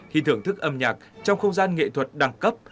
khi thưởng thức âm nhạc trong không gian nghệ thuật đẳng cấp